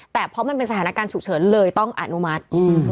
แต่เพราะมันเป็นสถานการณ์ฉุกเฉินเลยต้องอนุมัติ